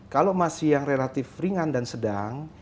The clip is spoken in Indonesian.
kalau masih yang relatif ringan dan sedang